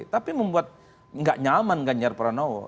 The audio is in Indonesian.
tapi membuat nggak nyaman ganjar pranowo